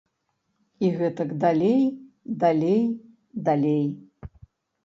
І гэтак далей, далей, далей.